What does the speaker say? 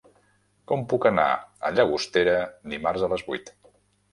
Com puc anar a Llagostera dimarts a les vuit?